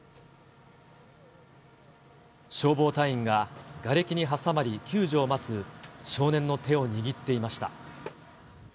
消防隊員が、がれきに挟まり、救助を待つ少年の手を握っていました。